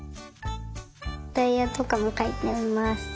タイヤとかもかいてみます。